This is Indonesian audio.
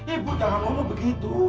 ibu jangan ngomong begitu